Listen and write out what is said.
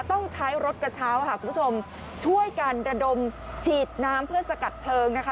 ต้องใช้รถกระเช้าค่ะคุณผู้ชมช่วยกันระดมฉีดน้ำเพื่อสกัดเพลิงนะคะ